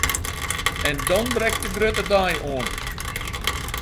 En dan brekt de grutte dei oan!